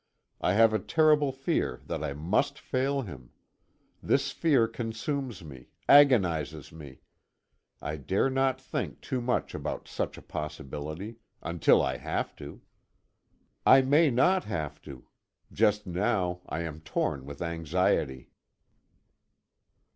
I have a terrible fear that I must fail him. This fear consumes me, agonizes me. I dare not think too much about such a possibility until I have to. I may not have to. Just now I am torn with anxiety.